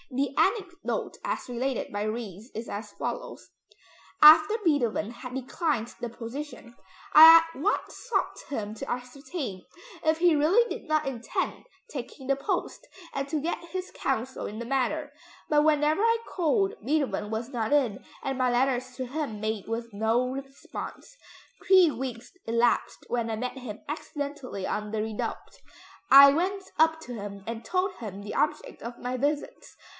The anecdote as related by Ries is as follows: "After Beethoven had declined the position, I at once sought him to ascertain if he really did not intend taking the post, and to get his counsel in the matter. But whenever I called, Beethoven was not in, and my letters to him met with no response. Three weeks elapsed when I met him accidentally on the Redoubte; I went up to him and told him the object of my visits.